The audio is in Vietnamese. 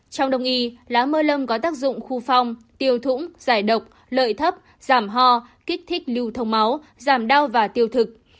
trong đồng ý lá mơ lông có tác dụng khu phong tiêu thủng giải độc lợi thấp giảm ho kích thích lưu thông máu giảm đau và tiêu thực